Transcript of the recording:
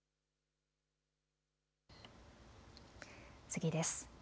次です。